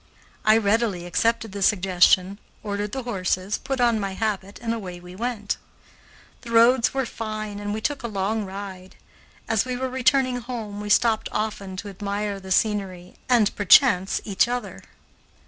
I readily accepted the suggestion, ordered the horses, put on my habit, and away we went. The roads were fine and we took a long ride. As we were returning home we stopped often to admire the scenery and, perchance, each other.